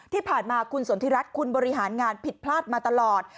ที่ผ่านมาคุณสนทิรัฐคุณบริหารงานผิดพลาดมาตลอด